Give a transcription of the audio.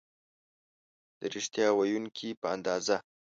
د ریښتیا ویونکي په اندازه